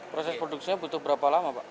proses produksinya butuh berapa lama pak